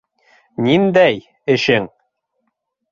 Ниндәй... эшең?